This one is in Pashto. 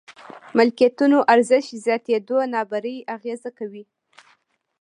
ملکيتونو ارزښت زياتېدو نابرابري اغېزه کوي.